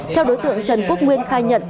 theo đối tượng trần quốc nguyên khai nhận